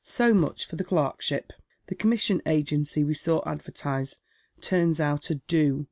So much for the clerkship. The commission agency we saw advertised turns out a ' do.'